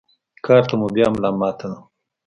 کار ته مو بيا ملا ماته ده.